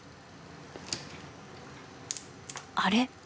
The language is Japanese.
あれ？